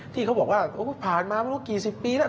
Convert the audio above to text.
ที่เขาบอกว่าผ่านมาไม่รู้กี่สิบปีแล้ว